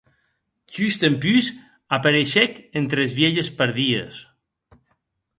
Just dempús, apareishec entre es vielhes pardies.